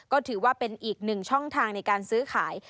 ก็ถือว่าเป็นอีกหนึ่งช่องทางในการซื้อขาย